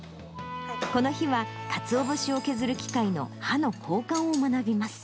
この日は、かつお節を削る機械の刃の交換を学びます。